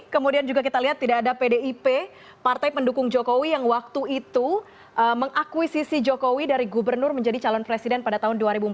kemudian juga kita lihat tidak ada pdip partai pendukung jokowi yang waktu itu mengakuisisi jokowi dari gubernur menjadi calon presiden pada tahun dua ribu empat belas